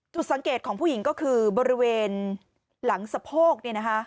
จุดสังเกตของผู้หญิงก็คือบริเวณหลังสะโพก